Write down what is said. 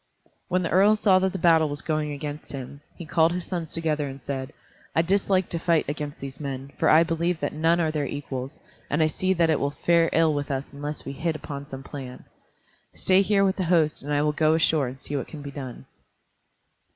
When the earl saw that the battle was going against him, he called his sons together and said, "I dislike to fight against these men, for I believe that none are their equals, and I see that it will fare ill with us unless we hit upon some plan. Stay here with the host and I will go ashore and see what can be done."